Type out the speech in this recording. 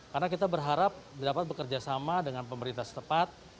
karena kita berharap dapat bekerjasama dengan pemerintah setepat